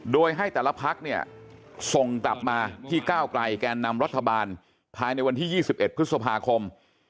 โดยให้แต่ละพักเนี่ยส่งกลับมาที่ก้าวไกลแกนนำรัฐบาลภายในวันที่๒๑พฤษภาคม